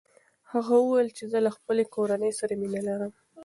هغه وویل چې زه له خپلې کورنۍ سره مینه لرم.